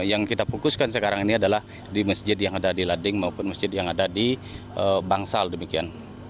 yang kita fokuskan sekarang ini adalah di masjid yang ada di lading maupun masjid yang ada di bangsal demikian